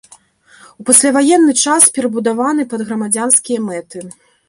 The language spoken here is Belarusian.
У пасляваенны час перабудаваны пад грамадзянскія мэты.